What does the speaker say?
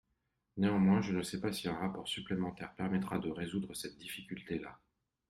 Néanmoins, je ne sais pas si un rapport supplémentaire permettra de résoudre cette difficulté-là.